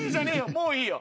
もういいよ。